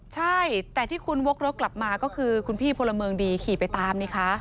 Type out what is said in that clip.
ใช่แต่ที่คุณวกรถกลับมาก็คือคุณพี่พลเมืองดีขี่ไปตามนี่คะ